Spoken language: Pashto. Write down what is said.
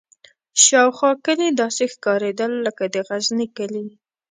شاوخوا کلي داسې ښکارېدل لکه د غزني کلي.